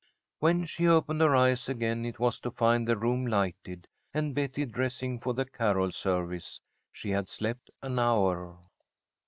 When she opened her eyes again it was to find the room lighted, and Betty dressing for the carol service. She had slept an hour.